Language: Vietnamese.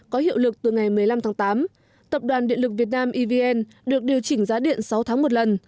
có hiệu lực từ ngày một mươi năm tháng tám tập đoàn điện lực việt nam evn được điều chỉnh giá điện sáu tháng một lần